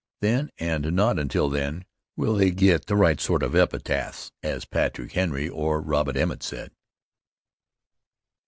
Then, and not until then, will they get the right sort of epitaphs, as Patrick Henry or Robert Emmet said.